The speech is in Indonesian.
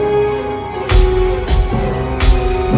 dan menangkap mereka dengan kebenaran